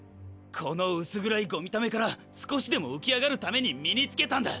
この薄暗いゴミ溜めから少しでも浮き上がるために身につけたんだ！